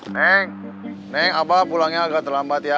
neng neng apa pulangnya agak terlambat ya